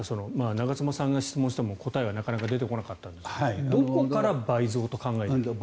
長妻さんが質問をしても答えはなかなか出てこなかったんですがどこから倍増と考えるんですか？